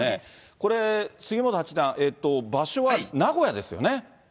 これ、杉本八段、場所は名古屋ですよね。